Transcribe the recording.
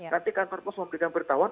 nanti kantor pos memberikan beritahuan